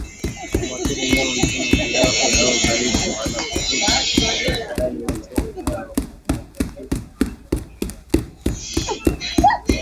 humwathiri Mnyama mzima kiafya au dhaifu anapovuta ndani matone hayo huambukizwa na kuendeleza ugonjwa